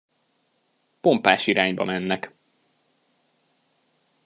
Pompás irányba mennek!